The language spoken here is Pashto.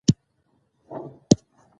سوله د انسانانو ترمنځ اړیکې پیاوړې کوي